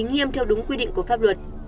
nghiêm theo đúng quy định của pháp luật